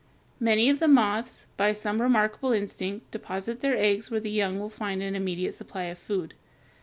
Many of the moths, by some remarkable instinct, deposit their eggs where the young will find an immediate supply of food.